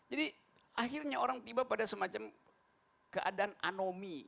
jadi akhirnya orang tiba pada semacam keadaan anomi